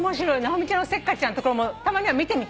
直美ちゃんのせっかちなところもたまには見てみたいね。